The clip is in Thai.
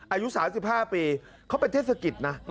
อายุ๓๕ปีเขาเป็นเทศกิจนะ